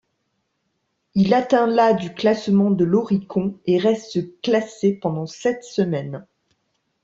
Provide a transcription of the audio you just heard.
Il atteint la du classement de l'Oricon, et reste classé pendant sept semaines.